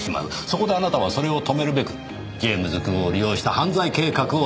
そこであなたはそれを止めるべくジェームズくんを利用した犯罪計画を立てた。